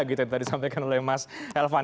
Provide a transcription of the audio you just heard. gitu yang tadi disampaikan oleh mas elvan